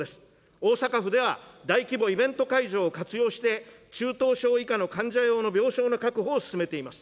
大阪府では大規模イベント会場を活用して、中等症以下の患者用の病床の確保を進めています。